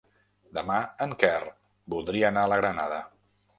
Demà en Quer voldria anar a la Granada.